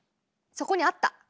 そこにあった？